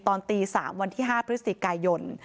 ตอนตี๓วันที่๕พฤศจิกายน